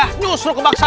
hasilnya bagiannya ya